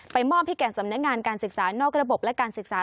มอบให้แก่สำนักงานการศึกษานอกระบบและการศึกษา